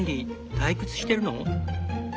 退屈してるの？